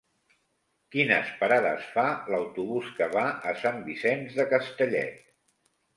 Quines parades fa l'autobús que va a Sant Vicenç de Castellet?